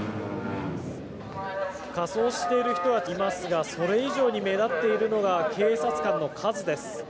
仮装している人はいますがそれ以上に目立っているのが警察官の数です。